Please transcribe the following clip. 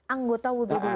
anggota wuduk dulu